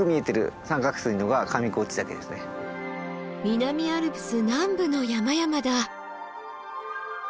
南アルプス南部の山々だ！